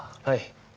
はい。